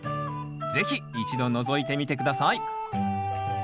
是非一度のぞいてみて下さい。